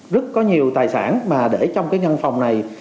rất có nhiều tài sản mà để trong cái nhân phòng này